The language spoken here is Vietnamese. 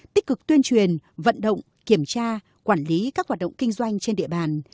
tích cực tuyên truyền vận động kiểm tra quản lý các hoạt động kinh doanh trên địa bàn